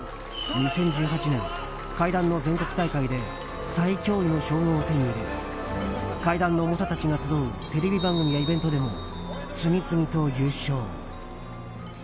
２０１８年、怪談の全国大会で最恐位の称号を手に入れ怪談の長たちが集うテレビ番組やイベントでも次々と優勝。